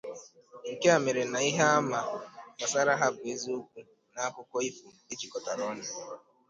Nke a mere na ihe ama gbasara ha bụ eziokwu na akụkọ ifo ejikọtara ọnụ.